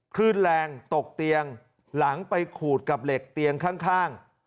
คลื่นแรงตกเตียงหลังไปขูดกับเหล็กเตียงข้าง